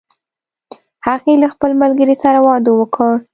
هغې له خپل ملګری سره واده وکړ